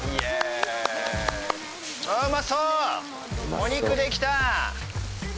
お肉できた！